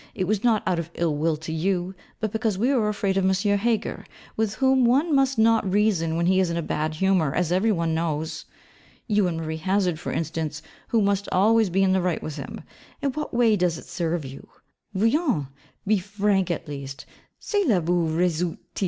It was not out of ill will to you, but because we were afraid of M. Heger, with whom one must not reason when he is in a bad humour, as every one knows. You and Marie Hazard, for instance, who must always be in the right with him, in what way does it serve you? Voyons: be frank; at least: _cela vous réussit il?